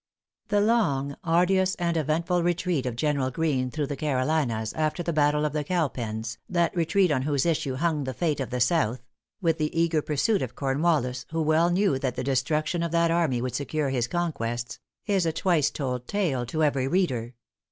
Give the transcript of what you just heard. |The long, arduous, and eventful retreat of General Greene through the Carolinas, after the battle of the Cowpens, that retreat on whose issue hung the fate of the South with the eager pursuit of Cornwallis, who well knew that the destruction of that army would secure his conquests is a twice told tale to every reader.